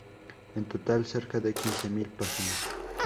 En total cerca de quince mil páginas.